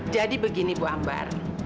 jadi begini bu ambar